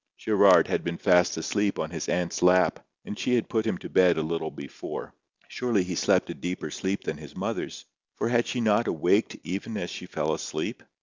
Gerard had been fast asleep on his aunt's lap, and she had put him to bed a little before. Surely he slept a deeper sleep than his mother's; for had she not awaked even as she fell asleep?